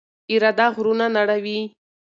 اراده غرونه نړوي.